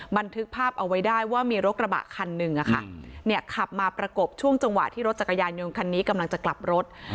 บันทึกภาพเอาไว้ได้ว่ามีรถกระบะคันหนึ่งขับมาประกบช่วงจังหวะที่รถจักรยานยนต์คันนี้กำลังจะกลับรถ